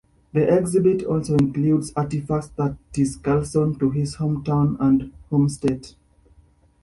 The exhibit also includes artifacts that tie Carlson to his hometown and home state.